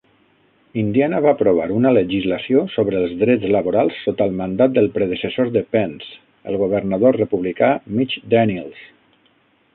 Indiana va aprovar una legislació sobre els drets laborals sota el mandat del predecessor de Pence, el governador republicà Mitch Daniels.